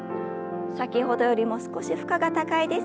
先ほどよりも少し負荷が高いです。